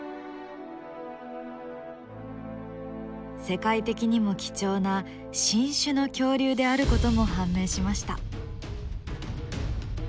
世界的にも貴重な新種の恐竜であることも判明しました。